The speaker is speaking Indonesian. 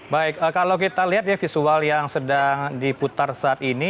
baik kalau kita lihat ya visual yang sedang diputar saat ini